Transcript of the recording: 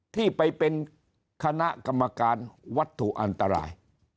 ที่ไปเป็นคณะกรรมการวัตถุอันตราย